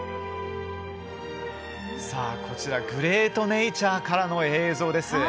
こちらは「グレートネイチャー」からの映像です。